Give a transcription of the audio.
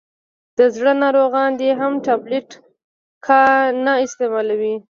دزړه ناروغان دي هم ټابلیټ کا نه استعمالوي.